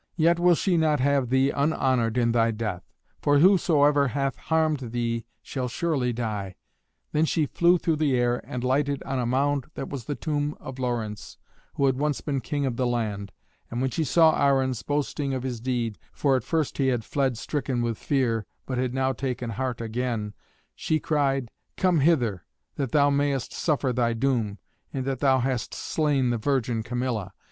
Yet will she not have thee unhonoured in thy death; for whosoever hath harmed thee shall surely die." Then she flew through the air, and lighted on a mound that was the tomb of Laurens, that had once been king of the land. And when she saw Arruns boasting of his deed for at first he had fled stricken with fear, but had now taken heart again she cried, "Come hither, that thou mayest suffer thy doom, in that thou hast slain the virgin Camilla."